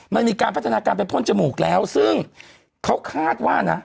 มันมีการพัฒนาการไปพ่นจมูกแล้วซึ่งเขาคาดว่านะ